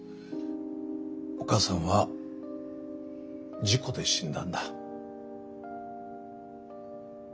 お母さんは事故で死んだんだ。